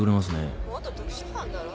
元特殊班だろ？